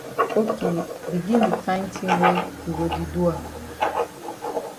Ok begin di find tin wey you go di do am.